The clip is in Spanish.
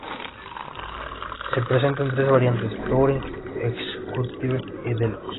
Se presenta en tres variantes, Touring, Executive y Deluxe.